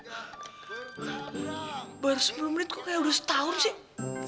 astaga baru sepuluh menit kok kayak udah setahun sih